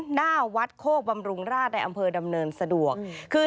หน้าวัดโคกบำรุงราชในอำเภอดำเนินสะดวกคือ